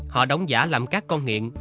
họ đóng giả làm các con nghiện